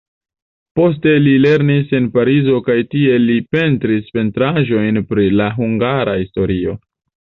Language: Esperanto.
Poste li lernis en Parizo kaj tie li pentris pentraĵojn pri la hungara historio.